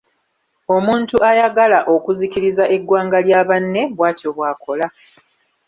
Omuntu ayagala okuzikiriza eggwanga lya banne, bw'atyo bw'akola.